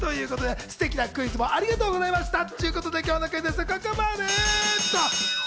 ということで、ステキなクイズもありがとうございましたっちゅことで、今日のクイズッスはここまで。